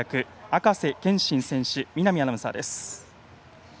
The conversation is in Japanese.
赤瀬健心選手見浪アナウンサーです。